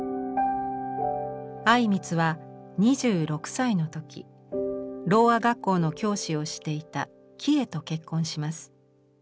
靉光は２６歳の時ろうあ学校の教師をしていたキヱと結婚します。